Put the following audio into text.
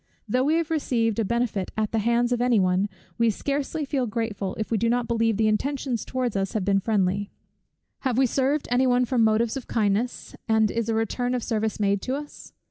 Though we have received a benefit at the hands of any one, we scarcely feel grateful, if we do not believe the intention towards us to have been friendly. Have we served any one from motives of kindness, and is a return of service made to us?